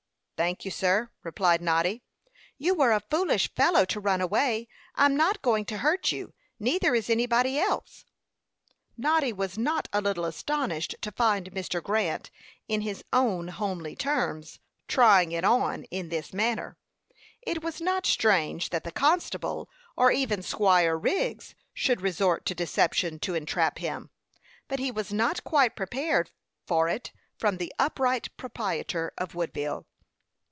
"Thank you, sir," replied Noddy. "You were a foolish fellow to run away. I'm not going to hurt you; neither is anybody else." Noddy was not a little astonished to find Mr. Grant, in his own homely terms, "trying it on" in this manner. It was not strange that the constable, or even Squire Wriggs, should resort to deception to entrap him; but he was not quite prepared for it from the upright proprietor of Woodville.